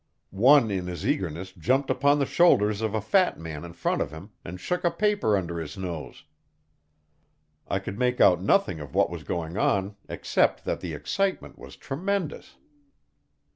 One in his eagerness jumped upon the shoulders of a fat man in front of him, and shook a paper under his nose. I could make out nothing of what was going on, except that the excitement was tremendous.